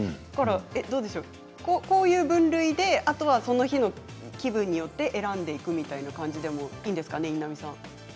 どうでしょうこういう分類で、あとはその日の気分によって選んでいくみたいな感じでもいいんですかね。